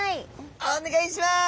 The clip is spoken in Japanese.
お願いします！